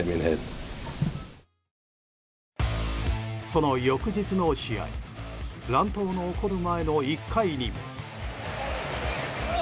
その翌日の試合乱闘の起こる前の１回にも。